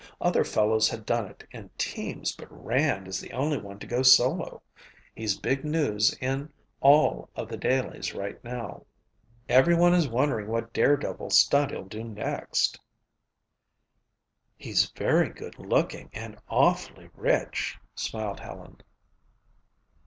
Other fellows had done it in teams but Rand is the only one to go solo. He's big news in all of the dailies right now. Everyone is wondering what daredevil stunt he'll do next." "He's very good looking and awfully rich," smiled Helen.